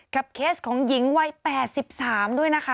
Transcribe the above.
เคสของหญิงวัย๘๓ด้วยนะคะ